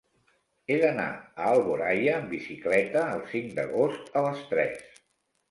He d'anar a Alboraia amb bicicleta el cinc d'agost a les tres.